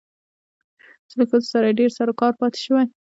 چې له ښځو سره يې ډېر سرو کارو پاتې شوى